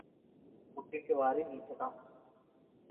పుట్టింటి వారి నీచతఁ